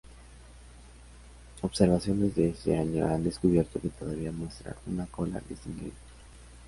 Observaciones de ese año han descubierto que todavía muestra una cola distinguible.